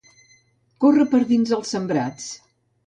Córrer per dins els sembrats.